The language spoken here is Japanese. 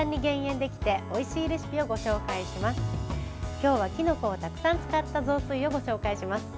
今日は、きのこをたくさん使った雑炊をご紹介します。